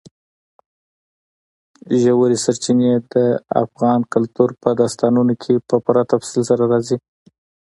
ژورې سرچینې د افغان کلتور په داستانونو کې په پوره تفصیل سره راځي.